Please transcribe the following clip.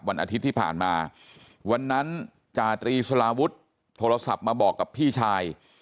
วันอาทิตย์ที่ผ่านมาวันนั้นจาตรีสลาวุฒิโทรศัพท์มาบอกกับพี่ชาย